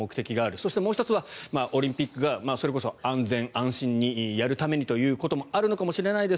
そしてもう１つはオリンピックが安全安心にやるためにということもあるのかもしれないです